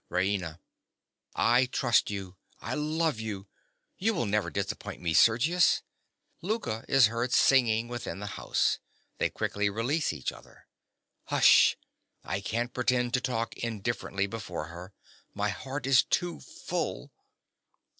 RAINA. I trust you. I love you. You will never disappoint me, Sergius. (Louka is heard singing within the house. They quickly release each other.) Hush! I can't pretend to talk indifferently before her: my heart is too full.